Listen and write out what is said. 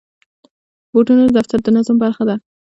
بوټونه د دفتر د نظم برخه ده.